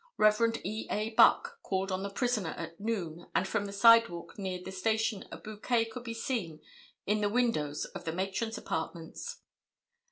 Rev. E. A. Buck called on the prisoner at noon and from the sidewalk near the station a bouquet could be seen in the windows of the matron's apartments.